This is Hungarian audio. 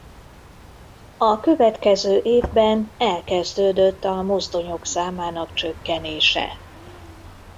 A következő évben elkezdődött a mozdonyok számának csökkenése.